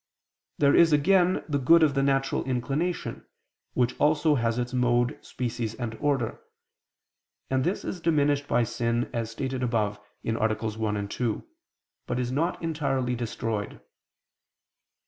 There is again the good of the natural inclination, which also has its mode, species and order; and this is diminished by sin, as stated above (AA. 1, 2), but is not entirely destroyed.